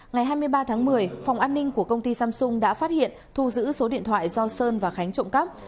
ngày hai mươi ba tháng một mươi phòng an ninh của công ty samsung đã phát hiện thu giữ số điện thoại do sơn và khánh trộm cắp